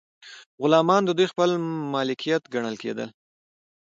غلامان د دوی خپل مالکیت ګڼل کیدل.